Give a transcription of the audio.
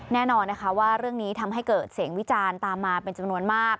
แน่นอนนะคะว่าเรื่องนี้ทำให้เกิดเสียงวิจารณ์ตามมาเป็นจำนวนมาก